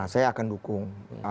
saya akan dukung